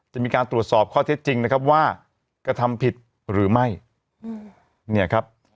จะมีการตรวจสอบข้อเท็จจริงนะครับว่ากระทำผิดหรือไม่เนี่ยครับ